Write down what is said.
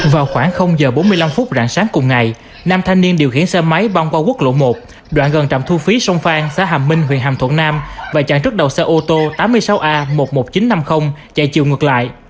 vào khoảng h bốn mươi năm phút rạng sáng cùng ngày nam thanh niên điều khiển xe máy băng qua quốc lộ một đoạn gần trạm thu phí sông phan xã hàm minh huyện hàm thuận nam và chặn trước đầu xe ô tô tám mươi sáu a một mươi một nghìn chín trăm năm mươi chạy chiều ngược lại